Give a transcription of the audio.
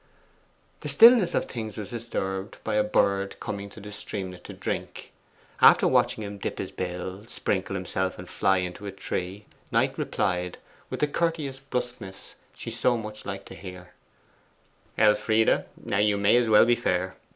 The stillness of things was disturbed by a bird coming to the streamlet to drink. After watching him dip his bill, sprinkle himself, and fly into a tree, Knight replied, with the courteous brusqueness she so much liked to hear 'Elfride, now you may as well be fair.